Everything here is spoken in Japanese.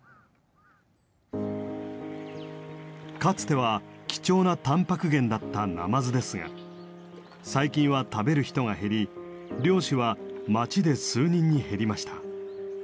かつては貴重なタンパク源だったナマズですが最近は食べる人が減り漁師は町で数人に減りました。